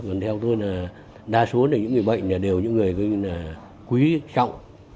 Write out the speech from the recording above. còn theo tôi đa số những người bệnh đều là những người quý trọng